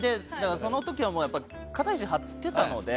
その時は肩ひじ張っていたので。